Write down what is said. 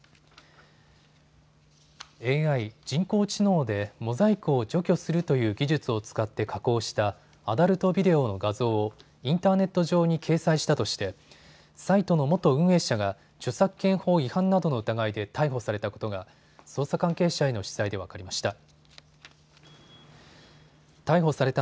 ＡＩ・人工知能でモザイクを除去するという技術を使って加工したアダルトビデオの画像をインターネット上に掲載したとしてサイトの元運営者が著作権法違反などの疑いで逮捕されたことが捜査関係者への取材で分かりました。